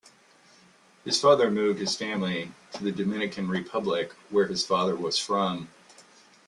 His father moved his family to the Dominican Republic where his father was from.